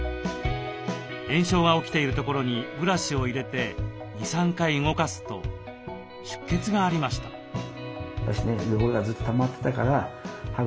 炎症が起きているところにブラシを入れて２３回動かすと出血がありました。